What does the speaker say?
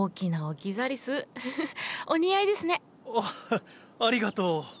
あっありがとう。